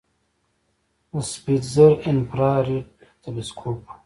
د سپیتزر انفراریډ تلسکوپ و.